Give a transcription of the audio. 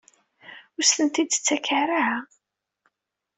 Ur as-tent-id-tettak ara?